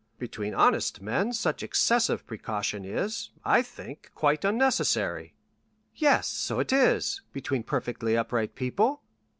Between honest men such excessive precaution is, I think, quite unnecessary." "Yes, so it is, between perfectly upright people."